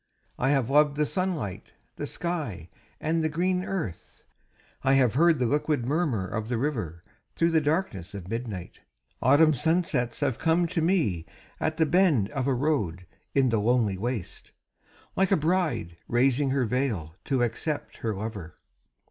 I have loved the sunlight, the sky and the green earth; I have heard the liquid murmur of the river through the darkness of midnight; Autumn sunsets have come to me at the bend of a road in the lonely waste, like a bride raising her veil to accept her lover.